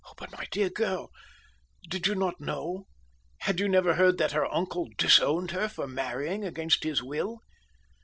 "But, my dear girl, did you not know, had you never heard that her uncle disowned her for marrying against his will?"